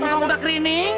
kan kau udah keriningin